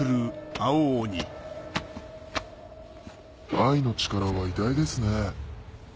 愛の力は偉大ですね。